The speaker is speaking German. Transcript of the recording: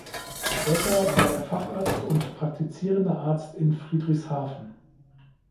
Später war er Facharzt und praktizierender Arzt in Friedrichshafen.